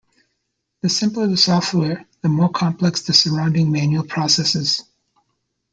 The simpler the software, the more complex the surrounding manual processes.